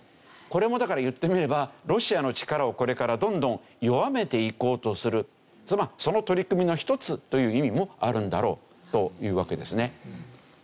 これもだから言ってみればロシアの力をこれからどんどん弱めていこうとするその取り組みの一つという意味もあるんだろうというわけですね。